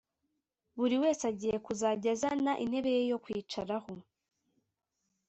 Buri wese agiye kuzajya azana intebe ye yo kwicaraho